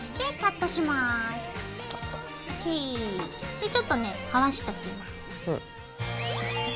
でちょっとねはわしておきます。